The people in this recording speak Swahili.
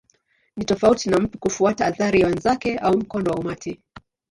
Ni tofauti na mtu kufuata athari ya wenzake au mkondo wa umati.